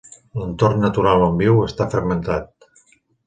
L'entorn natural on viu està fragmentat.